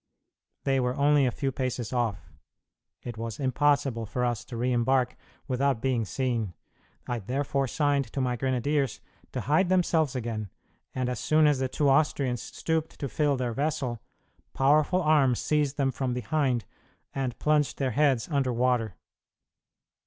They were only a few paces off. It was impossible for us to re embark without being seen. I therefore signed to my grenadiers to hide themselves again, and as soon as the two Austrians stooped to fill their vessel, powerful arms seized them from behind and plunged their heads under water.